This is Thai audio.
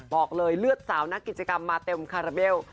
บอกเลยเลือดสาวนักกิจกรรมมาเต็มคาราเบล